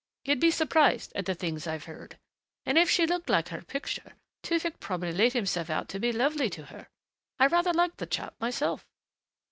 You'd be surprised at the things I've heard. And if she looked like her picture Tewfick probably laid himself out to be lovely to her.... I rather like the chap, myself."